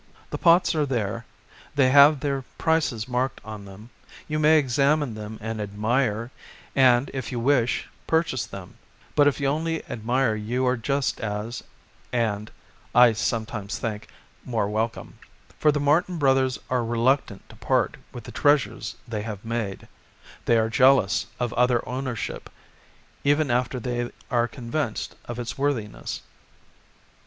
The pots are there, they have their prices marked on them, you may examine them and admire and, if you wish, purchase them, but if you only admire you are just as â€" and, I sometimes think, more â€" ^welcome. For the Martin Brothers are reluctant to part with the treasures they have made ; they are jealous of other ownership even after they are convinced of its worthiness.